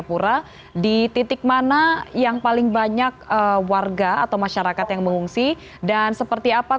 untuk para pengusaha